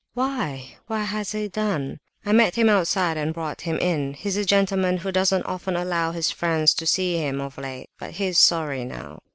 "Why, what has he done?" "I met him outside and brought him in—he's a gentleman who doesn't often allow his friends to see him, of late—but he's sorry now."